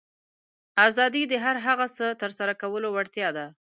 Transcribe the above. آزادي د هر هغه څه ترسره کولو وړتیا ده.